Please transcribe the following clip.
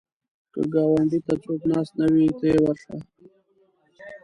که ګاونډي ته څوک ناست نه وي، ته یې ورشه